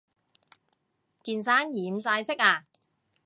件衫染晒色呀